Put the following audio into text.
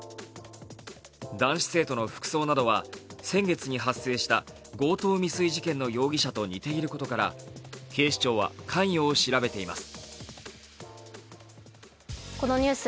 男子生徒の服装などは先月に発生した強盗未遂事件の容疑者と似ていることから警視庁は関与を調べています。